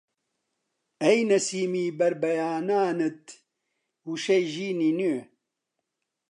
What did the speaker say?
ئەی نەسیمی بەربەیانانت وشەی ژینی نوێ!